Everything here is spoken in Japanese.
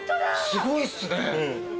すごいっすね。